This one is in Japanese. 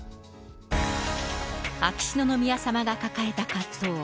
秋篠宮さまが抱えた葛藤。